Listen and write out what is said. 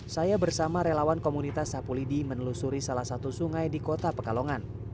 saya bersama relawan komunitas sapulidi menelusuri salah satu sungai di kota pekalongan